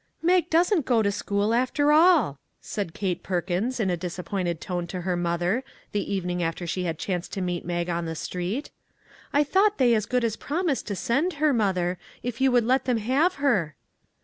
" Mag doesn't go to school, after all !" said Kate Perkins in a disappointed tone to her mother the evening after she had chanced to meet Mag on the street. " I thought they as good as promised to send her, mother, if you would let them have her?